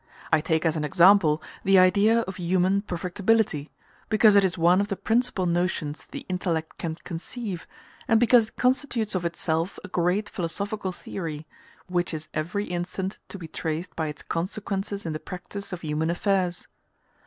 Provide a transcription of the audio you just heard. I take as an example the idea of human perfectibility, because it is one of the principal notions that the intellect can conceive, and because it constitutes of itself a great philosophical theory, which is every instant to be traced by its consequences in the practice of human affairs.